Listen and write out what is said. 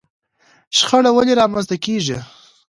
شخړه ولې رامنځته کېږي؟